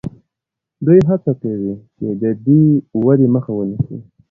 دوی هڅه کوي چې د دې ودې مخه ونیسي.